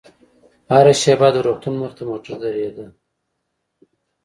هره شېبه د روغتون مخې ته موټر درېدل.